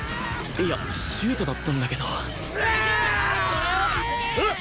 いやシュートだったんだけどだああーっ！